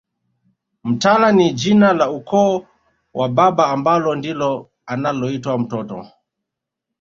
Mtala ni jina la ukoo wa baba ambalo ndilo analoitwa mtoto